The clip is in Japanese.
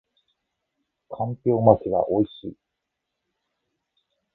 干瓢巻きは美味しい